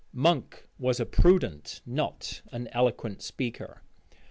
Monk was a prudent, not an eloquent speaker.